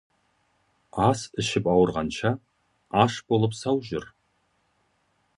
Ac ішіп ауырғанша, аш болып сау жүр.